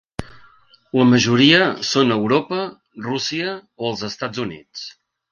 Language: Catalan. La majoria són a Europa, Rússia o els Estats Units.